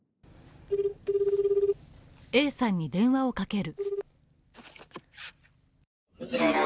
Ａさんに電話をかける。